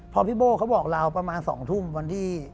พอพี่โบ้เขาบอกเราประมาณ๒ทุ่มวันที่